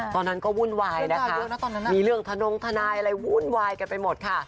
ตอนนั้นก็วุ่นวายนะคะตอนนั้นมีเรื่องทะนงทนายอะไรวุ่นวายกันไปหมดค่ะ